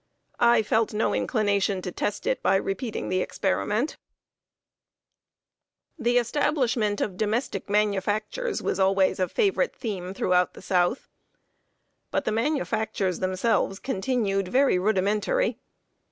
I felt no inclination to test it by repeating the experiment. [Sidenote: A MANIA FOR SOUTHERN MANUFACTURING.] The establishment of domestic manufactures was always a favorite theme throughout the South; but the manufactures themselves continued very rudimentary.